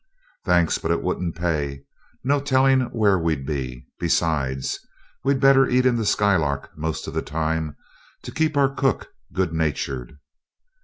"Thanks, but it wouldn't pay. No telling where we'd be. Besides, we'd better eat in the Skylark most of the time, to keep our cook good natured.